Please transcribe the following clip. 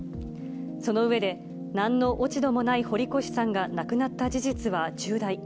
その上で、なんの落ち度もない堀越さんが亡くなった事実は重大。